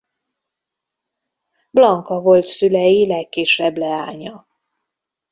Blanka volt szülei legkisebb leánya.